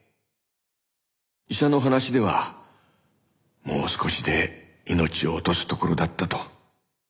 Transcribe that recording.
医者の話ではもう少しで命を落とすところだったと。